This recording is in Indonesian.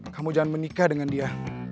kamu jangan menikah dengan dia